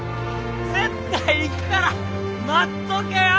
絶対行くから待っとけよ！